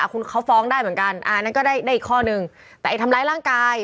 คุณเขาฟ้องได้เหมือนกันอ่านั่นก็ได้อีกข้อนึงแต่ไอ้ทำร้ายร่างกาย